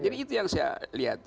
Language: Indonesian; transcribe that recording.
jadi itu yang saya lihat